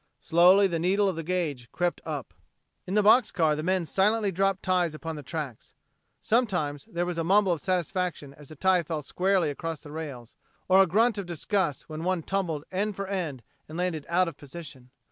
Slowly the needle of the gauge crept up. In the box car the men silently dropped ties upon the tracks. Sometimes there was a mumble of satisfaction as a tie fell squarely across the rails; or a grunt of disgust when one tumbled end for end and landed out of position.